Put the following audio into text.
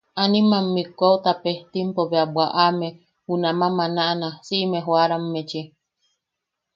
Animam mikwao tapestimpo bea bwaʼame junamaʼa manaʼana siʼime joʼaramme-chi.